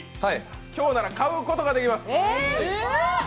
今日なら買うことができます！